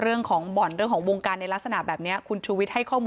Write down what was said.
เรื่องของบ่อนเรื่องของวงการในลักษณะแบบนี้